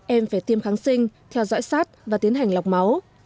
em phải tiêm kháng sinh theo dõi sát và tiến hành lọc máu